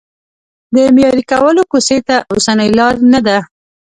د معیاري کولو کوڅې ته اوسنۍ لار نه ده.